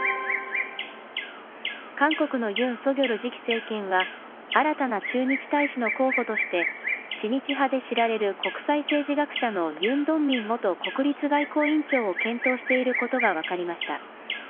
韓国のユン・ソギョル次期政権は、新たな駐日大使の候補として、知日派で知られる国際政治学者のユン・ドンミン元国立外交院長を検討していることが分かりました。